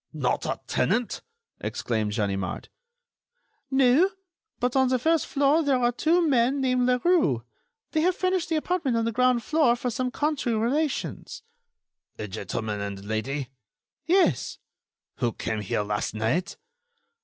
"What! not a tenant?" exclaimed Ganimard. "No; but on the first floor there are two men named Leroux. They have furnished the apartment on the ground floor for some country relations." "A gentleman and lady." "Yes." "Who came here last night."